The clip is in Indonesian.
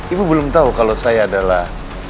ibu belum tahu kalau saya adalah